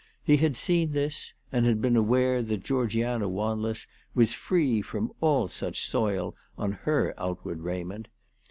He had seen this, and had been aware that Georgiana Wanless was free from all such soil on her outward raiment.